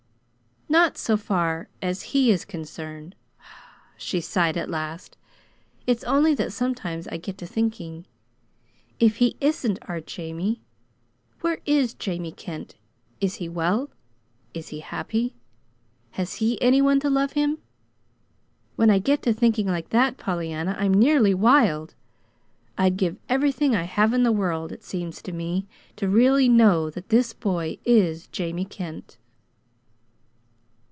"Not so far as he is concerned," she sighed, at last. "It's only that sometimes I get to thinking: if he isn't our Jamie, where is Jamie Kent? Is he well? Is he happy? Has he any one to love him? When I get to thinking like that, Pollyanna, I'm nearly wild. I'd give everything I have in the world, it seems to me, to really KNOW that this boy is Jamie Kent."